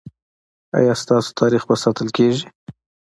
ایا ستاسو تاریخ به ساتل کیږي؟